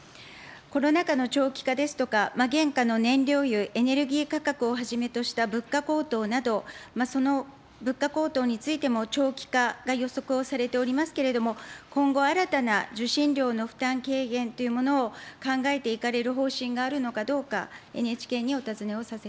コロナ禍の長期化ですとか、現下の燃料油、エネルギー価格をはじめとした物価高騰など、その物価高騰についても、長期化が予測をされておりますけれども、今後新たな受信料の負担軽減というものを考えていかれる方針があるのかどうか、ＮＨＫにお尋ねをさせていただきます。